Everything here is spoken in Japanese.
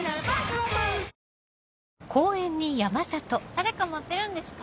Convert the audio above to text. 誰か待ってるんですか？